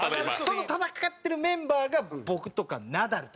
その戦ってるメンバーが僕とかナダルとか。